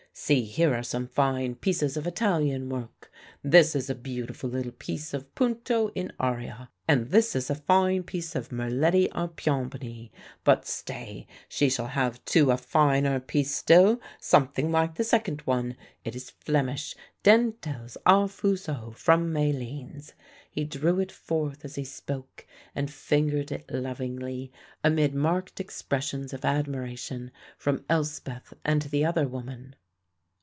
See here are some fine pieces of Italian work. This is a beautiful little piece of punto in aria and this is a fine piece of merletti a piombini: But stay; she shall have too a finer piece still, something like the second one; it is Flemish, dentelles au fuseau, from Malines"; he drew it forth as he spoke and fingered it lovingly amid marked expressions of admiration from Elspeth and the other woman.